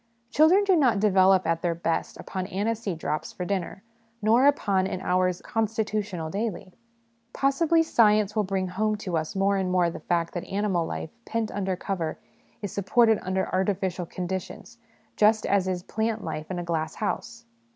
Children do not develop at their best upon aniseed drops for dinner, nor upon an hour's ' constitutional ' daily. Possibly science will bring home to us more and more the fact that animal life, pent under cover, is supported under artificial conditions, just as is plant life in a glass house.